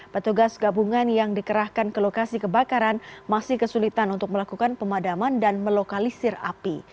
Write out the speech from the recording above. petugas gabungan yang dikerahkan ke lokasi kebakaran masih kesulitan untuk melakukan pemadaman dan melokalisir api